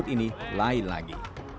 ini lain lagi